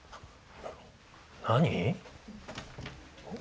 何？